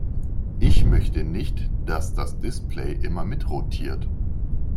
Ich möchte nicht, dass das Display immer mitrotiert.